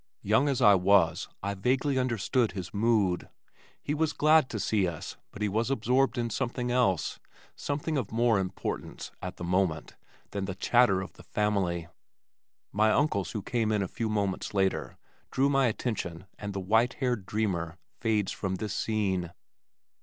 Young as I was I vaguely understood his mood. He was glad to see us but he was absorbed in something else, something of more importance, at the moment, than the chatter of the family. My uncles who came in a few moments later drew my attention and the white haired dreamer fades from this scene.